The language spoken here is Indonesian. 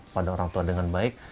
pada orang tua dengan baik